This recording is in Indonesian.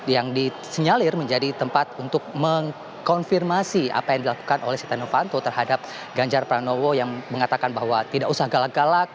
yang disinyalir menjadi tempat untuk mengkonfirmasi apa yang dilakukan oleh setia novanto terhadap ganjar pranowo yang mengatakan bahwa tidak usah galak galak